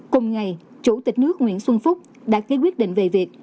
cùng ngày chủ tịch nước nguyễn xuân phúc đã ký quyết định về việc